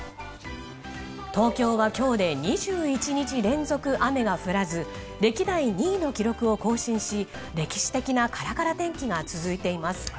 東京は今日で２１日連続雨が降らず歴代２位の記録を更新し歴史的なカラカラ天気が続いています。